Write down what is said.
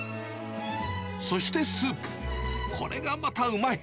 そしてスープ、これがまたうまい。